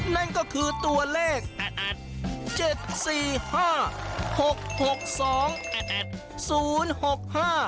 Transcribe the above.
นั่นก็คือตัวเลข